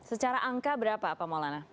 secara angka berapa pak maulana